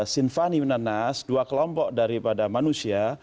sinfani minan nas dua kelompok daripada manusia